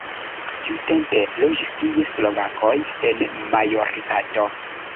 Tiutempe loĝis tie slovakoj en majoritato.